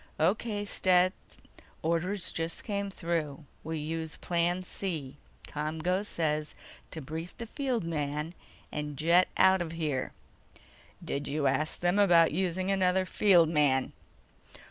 "O.K., Stet. Orders just came through. We use Plan C. ComGO says to brief the field man, and jet out of here." "Did you ask them about using another field man?"